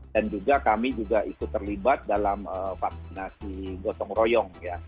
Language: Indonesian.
dan juga kami juga ikut terlibat dalam vaksinasi gotong royong